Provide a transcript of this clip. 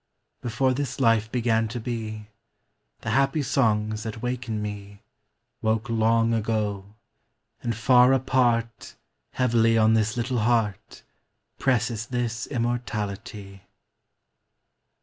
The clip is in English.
Before this life began to be, The happy songs that wake in me Woke long ago, and far apart Heavily on this little heart Presses this immortality.